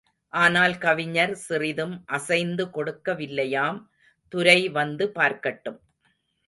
ஆனால் கவிஞர் சிறிதும் அசைந்து கொடுக்க வில்லையாம் துரை வந்து பார்க்கட்டும்.